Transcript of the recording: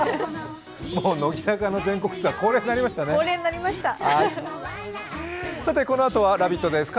もう乃木坂の全国ツアー恒例になりましたね。